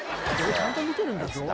「ちゃんと見てるんだぞ」。